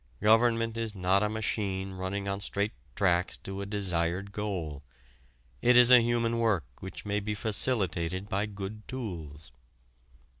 Government is not a machine running on straight tracks to a desired goal. It is a human work which may be facilitated by good tools.